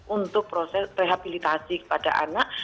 untuk proses rehabilitasi kepada anak